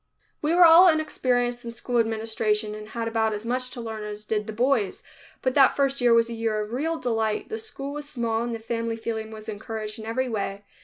We were all inexperienced in school administration and had about as much to learn as did the boys, but that first year was a year of real delight. The school was small and the family feeling was encouraged in every way.